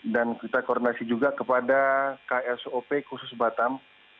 dan kita koordinasi juga kepada ksop khusus batam